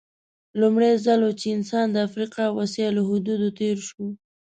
لومړی ځل و چې انسان د افریقا او اسیا له حدودو تېر شو.